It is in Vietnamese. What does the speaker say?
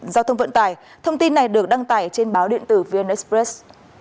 giao thông vận tải thông tin này được đăng tải trên báo điện tử vn express